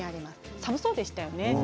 寒そうでしたね。